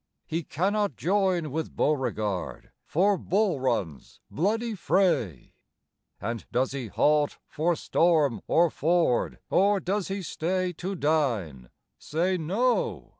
He cannot join with Beauregard For Bull Run's bloody fray. And does he halt for storm or ford, Or does he stay to dine? Say, No!